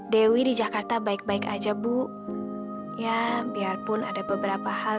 dan dia sudah menganggap kamu sudah kembali sehat